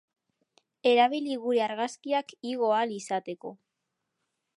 Erabili gure argazkiak igo ahal izateko.